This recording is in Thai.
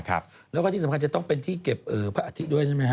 แล้วก็ที่สำคัญจะต้องเป็นที่เก็บพระอาทิตย์ด้วยใช่ไหมฮ